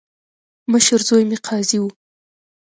مشر زوی مې قاضي وو.